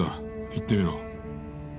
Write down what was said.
言ってみろ。